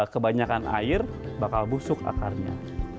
kebanyakan air bakal busuk akarnya